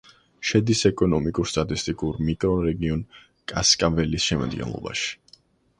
შედის ეკონომიკურ-სტატისტიკურ მიკრორეგიონ კასკაველის შემადგენლობაში.